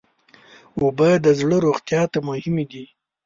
اوبه د زړه روغتیا ته مهمې دي.